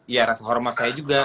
ya rasa hormat saya juga